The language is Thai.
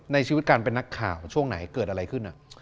ในชีวิตการเป็นนักข่าวช่วงไหนเกิดอะไรขึ้น